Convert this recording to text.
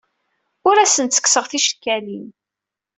Ur asen-ttekkseɣ ticekkalin.